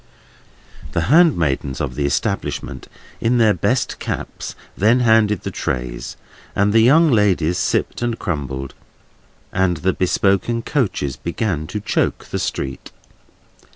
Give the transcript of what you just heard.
The handmaidens of the establishment, in their best caps, then handed the trays, and the young ladies sipped and crumbled, and the bespoken coaches began to choke the street.